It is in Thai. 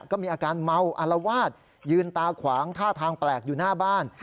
ก็มีอาการเมาอารวาสยืนตาขวางท่าทางแปลกอยู่หน้าบ้าน